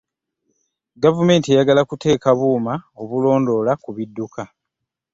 Gavumenti eyagala kuteeka buuma obulondola ku bidduka.